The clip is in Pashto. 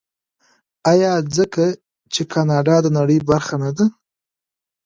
آیا ځکه چې کاناډا د نړۍ برخه نه ده؟